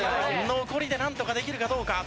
残りでなんとかできるかどうか。